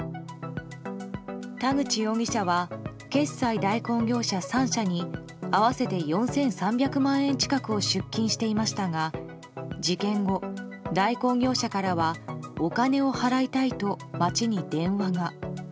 田口容疑者は決済代行業者３社に合わせて４３００万円近くを出金していましたが事件後、代行業者からはお金を払いたいと町に電話が。